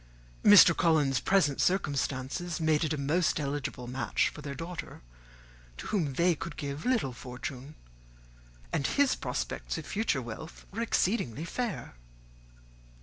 Mr. Collins's present circumstances made it a most eligible match for their daughter, to whom they could give little fortune; and his prospects of future wealth were exceedingly fair.